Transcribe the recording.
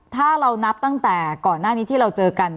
ถ้าเรานับตั้งแต่ก่อนหน้านี้ที่เราเจอกัน